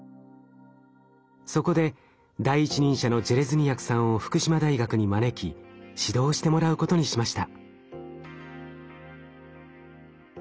そこで第一人者のジェレズニヤクさんを福島大学に招き指導してもらうことにしました。